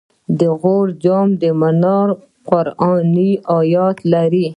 د غور جام منار قرآني آیتونه لري